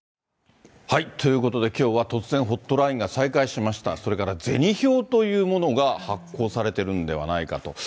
ということで、きょうは突然ホットラインが再開しました、それから銭票というものが発行されているんではないかと。